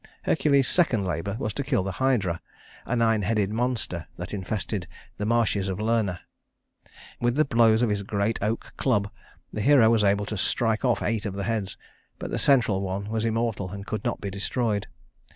Hercules's second labor was to kill the Hydra, a nine headed monster that infested the marshes of Lerna. With the blows of his great oak club the hero was able to strike off eight of the heads, but the central one was immortal and could not be destroyed.